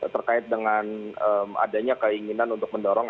terkait dengan adanya keinginan untuk mendorong